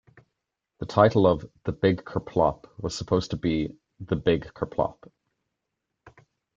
The title of "The Big Kerplop" was supposed to be "The Big Kerplop!